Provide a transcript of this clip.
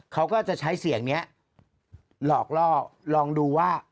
เขาก็จะใช้เสียงนี้หลอกล่อลองดูว่า